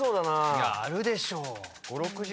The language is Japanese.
いやあるでしょ。